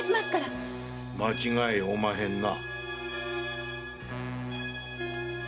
間違いおまへんな？